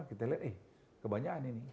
kita lihat eh kebanyakan ini